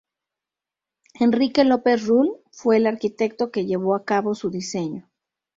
Enrique López Rull fue el arquitecto que llevó a cabo su diseño.